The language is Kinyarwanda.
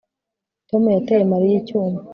Tom yateye Mariya icyuma